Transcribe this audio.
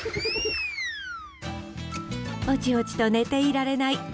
おちおちと寝ていられない